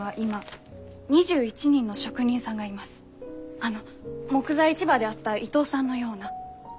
あの木材市場で会った伊藤さんのような。